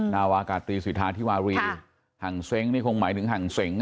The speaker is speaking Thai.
นาวากาตรีสิทธาธิวารีหังเซ้งนี่คงหมายถึงหั่งเซ็งนะ